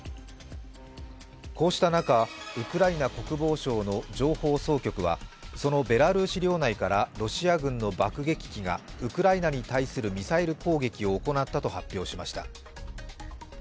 こうした中、ウクライナ国防省の情報総局はそのベラルーシ領内からロシア軍の爆撃機がウクライナに対するミサイル攻撃を行ったと発表しました。